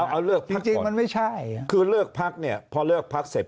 เอาเลือกจริงมันไม่ใช่คือเลือกพักเนี่ยพอเลือกพักเสร็จ